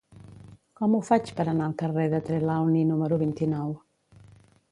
Com ho faig per anar al carrer de Trelawny número vint-i-nou?